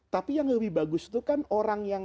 tapi yang lebih bagus itu kan orang yang